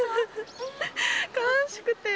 悲しくて。